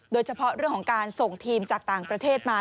โดยเฉพาะเรื่องของการส่งทีมจากต่างประเทศมา